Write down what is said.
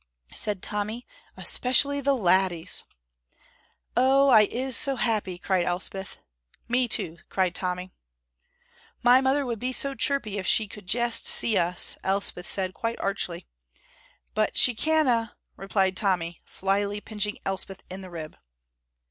Said Tommy, "Especially the laddies!" "Oh, I is so happy!" cried Elspeth. "Me too!" cried Tommy. "My mother would be so chirpy if she could jest see us!" Elspeth said, quite archly. "But she canna!" replied Tommy, slyly pinching Elspeth in the rib.